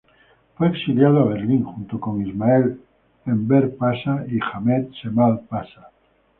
Fue exiliado a Berlín, junto con Ismail Enver Paşa y Ahmed Cemal Paşa.